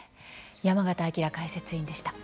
山形晶解説委員でした。